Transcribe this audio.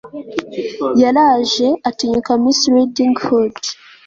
yaraje atinyuka miss riding hood